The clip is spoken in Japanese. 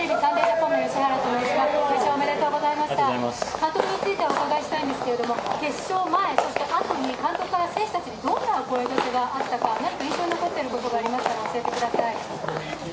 監督についてお伺いしたいんですけど、決勝前、そしてあとに監督から選手たちにどんなお声がけがあったのか、印象に残ってることがありましたら教えてください。